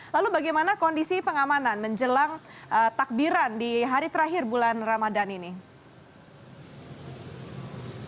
lalu bagaimana kondisi pengamanan menjelang takbiran di hari terakhir bulan ramadan ini